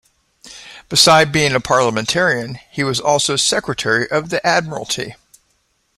Beside being a Parliamentarian, he was also Secretary of the Admiralty.